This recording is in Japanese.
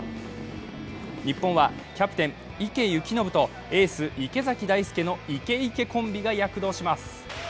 日本はキャプテン・池透暢とエース・池崎大輔のイケイケコンビが躍動します。